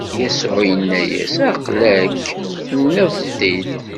Yasuɛ inna-as: Aql-ak, tenniḍ-t-id!